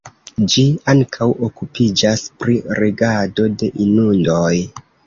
Ĝi ankaŭ okupiĝas pri regado de inundoj.